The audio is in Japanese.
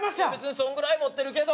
そんぐらい持ってるけど。